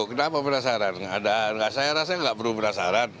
kenapa penasaran saya rasa nggak perlu penasaran